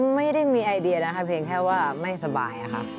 ไม่ได้มีไอเดียค่ะเพลงแค่ว่าไม่สบายค่ะ